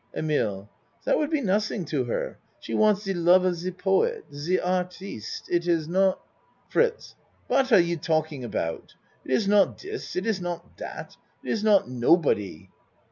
EMILE Zat would be nossing to her. She wants ze love of ze poet ze artist. It is not FRITZ Wat are you talking about? It is not dis it is not dat. It is not nobody.